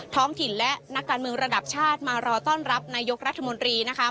ท้องถิ่นและนักการเมืองระดับชาติมารอต้อนรับนายกรัฐมนตรีนะคะ